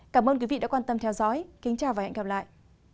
cảm ơn quý vị đã quan tâm theo dõi kính chào và hẹn gặp lại